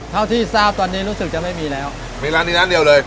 เท่าที่ทราบตอนนี้รู้สึกจะไม่มีแล้วมีร้านนี้ร้านเดียวเลย